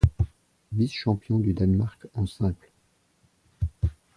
Vice-Champion du Danemark en Simple.